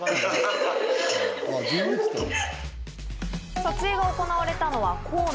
撮影が行われたのが校内。